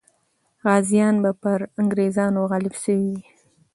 غازیان به پر انګریزانو غالب سوي وي.